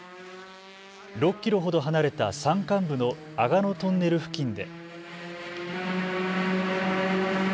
６キロほど離れた山間部の吾野トンネル付近で。